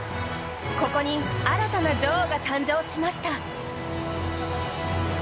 ここに新たな女王が誕生しました。